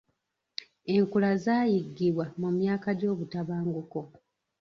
Enkula zaayiggibwa mu myaka gy'obutabanguko.